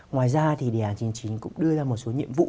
ngoài ra thì đề án chín mươi chín cũng đưa ra một số nhiệm vụ